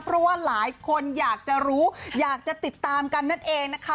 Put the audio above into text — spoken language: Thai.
เพราะว่าหลายคนอยากจะรู้อยากจะติดตามกันนั่นเองนะคะ